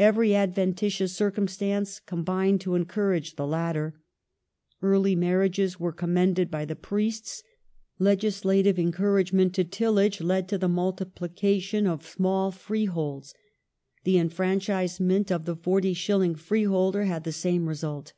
Every adventitious circumstance combined to encour age the latter. Early marriages were commended by the priests ; legislative encouragement to tillage led to the multiplication of small freeholds ; the enfranchisement of the 40s. freeholder had the same result.